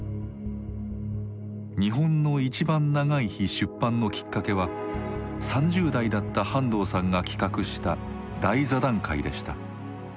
出版のきっかけは３０代だった半藤さんが企画した大座談会でした。